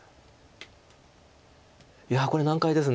いやこれ難解です。